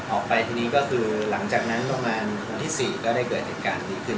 ออกไปทีนี้ก็คือหลังจากนั้นประมาณวันที่๔ก็ได้เกิดเหตุการณ์นี้ขึ้น